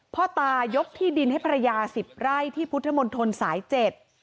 พ่อตายกที่ดินให้ภรรยาสิบไร่ที่พุทธมนตรสายเจ็ด